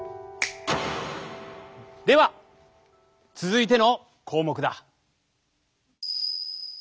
では続いての項目だ。